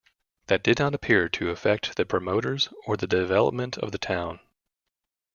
That did not appear to affect the promoters or the development of the town.